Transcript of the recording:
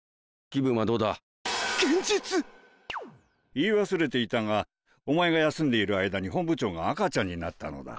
言い忘れていたがお前が休んでいる間に本部長が赤ちゃんになったのだ。